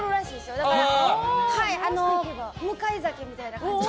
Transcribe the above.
だから、迎え酒みたいな感じで。